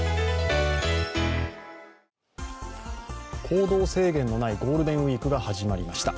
行動制限のないゴールデンウイークが始まりました。